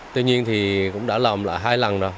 tuy nhiên thì cũng đã làm lại hai lần rồi